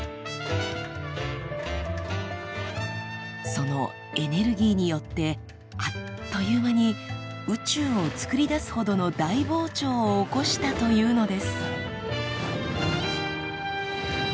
そのエネルギーによってあっという間に宇宙をつくり出すほどの大膨張を起こしたというのです。